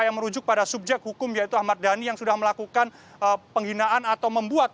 yang merujuk pada subjek hukum yaitu ahmad dhani yang sudah melakukan penghinaan atau membuat